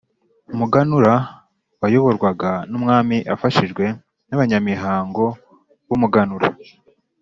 Umuganura wayoborwaga n’umwami afashijwe n’abanyamihango b’umuganura.